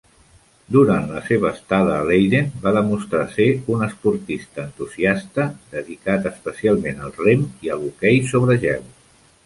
Durant la seva estada a Leiden va demostrar ser un esportista entusiasta, dedicat especialment al rem i al hoquei sobre gel.